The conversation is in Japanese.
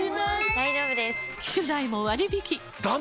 大丈夫です！